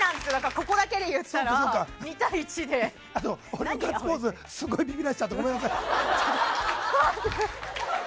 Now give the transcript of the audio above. ここだけでいったら俺のガッツポーズすごいビビらせちゃってごめんなさい。